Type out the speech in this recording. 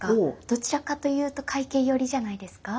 どちらかというと快慶寄りじゃないですか？